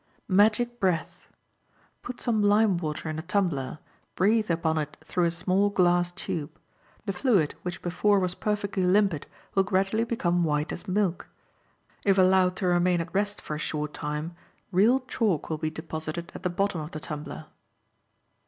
Magic Breath.—Put some lime water in a tumbler; breathe upon it through a small glass tube. The fluid, which before was perfectly limpid, will gradually become white as milk. If allowed to remain at rest for a short time, real chalk will be deposited at the bottom of the tumbler.